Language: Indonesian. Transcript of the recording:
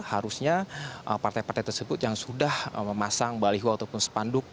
harusnya partai partai tersebut yang sudah memasang baliho ataupun sepanduk